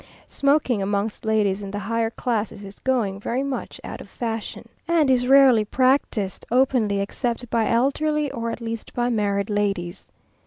Smoking amongst ladies in the higher classes is going very much out of fashion, and is rarely practised openly except by elderly, or at least by married ladies.